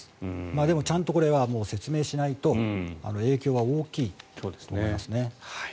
でもちゃんとこれは説明しないと影響は大きいと思いますね。